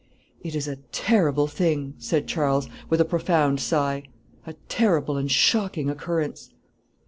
"It is a terrible thing," said Charles, with a profound sigh; "a terrible and shocking occurrence."